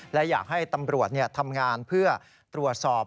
และอยากให้ตำรวจทำงานเพื่อตรวจสอบ